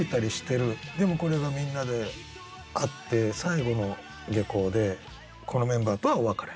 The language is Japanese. でもこれがみんなで会って最後の下校でこのメンバーとはお別れ。